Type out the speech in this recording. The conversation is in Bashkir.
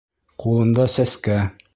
Ҡулында сәскә.